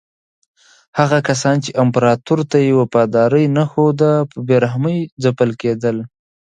هغه کسان چې امپراتور ته یې وفاداري نه ښوده په بې رحمۍ ځپل کېدل.